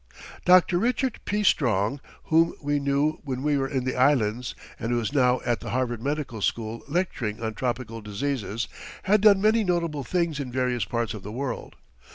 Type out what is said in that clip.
Dr. Richard P. Strong, whom we knew when we were in the Islands and who is now at the Harvard Medical School lecturing on tropical diseases, has done many notable things in various parts of the world.